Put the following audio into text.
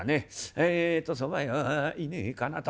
えっとそば屋はいねえかなと。